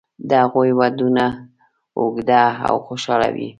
د هغوی ودونه اوږده او خوشاله وي.